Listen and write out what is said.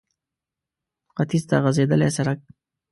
ختيځ ته غځېدلی سړک